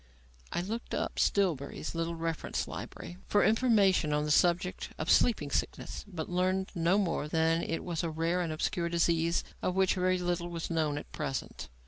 I looked up Stillbury's little reference library for information on the subject of sleeping sickness, but learned no more than that it was "a rare and obscure disease of which very little was known at present."